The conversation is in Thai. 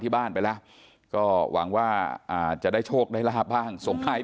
ที่บ้านไปแล้วก็หวังว่าจะได้โชคได้ลาบบ้างส่งท้าย